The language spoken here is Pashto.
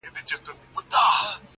• گراني شاعري دغه واوره ته.